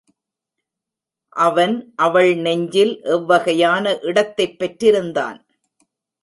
அவன் அவள் நெஞ்சில் எவ்வகையான இடத்தைப் பெற்றிருந்தான்?